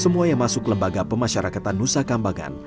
semua yang masuk lembaga pemasyarakatan nusa kambangan